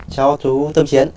cháu chú tâm chiến